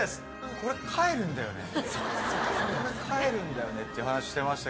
「これ帰るんだよね」っていう話してましたけど。